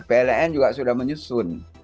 pln juga sudah menyusun